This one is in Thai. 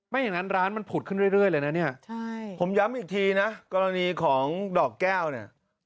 อย่างนั้นร้านมันผุดขึ้นเรื่อยเลยนะเนี่ยผมย้ำอีกทีนะกรณีของดอกแก้วเนี่ย